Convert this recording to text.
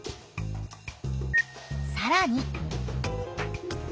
さらに。